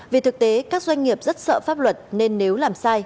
vì thực tế các doanh nghiệp rất sợ pháp luật nên nếu làm sai